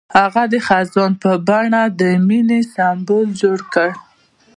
هغه د خزان په بڼه د مینې سمبول جوړ کړ.